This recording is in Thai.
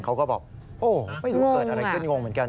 เขาก็บอกโอ้ไม่รู้เกิดอะไรขึ้นงงเหมือนกัน